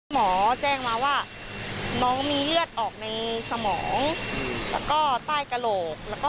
หมอแจ้งมาว่าน้องมีเลือดออกในสมองแล้วก็ใต้กระโหลก